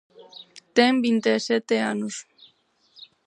Ten vinte e sete anos.